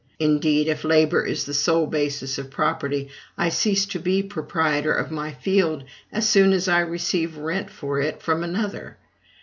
Indeed, if labor is the sole basis of property, I cease to be proprietor of my field as soon as I receive rent for it from another.